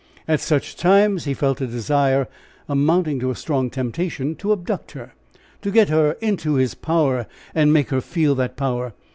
At such times he felt a desire, amounting to a strong temptation, to abduct her to get her into his power, and make her feel that power.